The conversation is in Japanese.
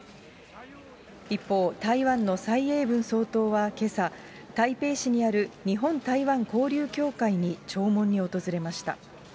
一方、台湾の蔡英文総統はけさ、台北市にある日本台湾交流協会に弔問に訪れました。